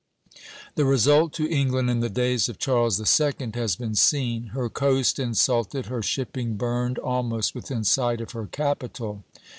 The result to England in the days of Charles II. has been seen, her coast insulted, her shipping burned almost within sight of her capital.